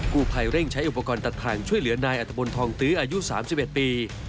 ผู้ภัยเร่งใช้อุปกรณ์ตัดทางช่วยเหลือนายอัตบนทองตื้ออายุ๓๑ปี